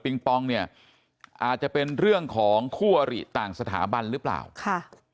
ปองเนี่ยอาจจะเป็นเรื่องของคู่อริต่างสถาบันหรือเปล่าค่ะ